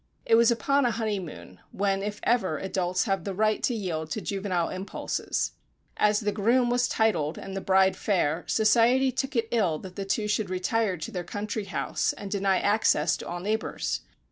It was upon a honeymoon, when if ever, adults have the right to yield to juvenile impulses. As the groom was titled and the bride fair, society took it ill that the two should retire to their country house and deny access to all neighbours.